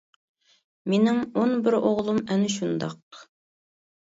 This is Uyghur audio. مېنىڭ ئون بىر ئوغلۇم ئەنە شۇنداق.